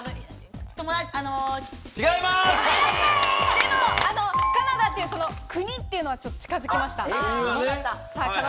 でも、カナダっていう国っていうのは近づきました。